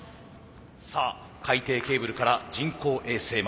さあ海底ケーブルから人工衛星まで。